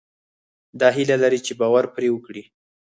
دا هيله لرئ چې باور پرې وکړئ.